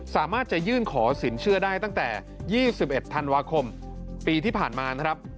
สามารถจะยื่นขอสินเชื่อได้ตั้งแต่๒๑ธันวาคมปีที่ผ่านมานะครับ